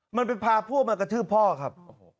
มันไปพาพวกมากระทืบพ่อครับ